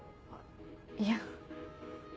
いや。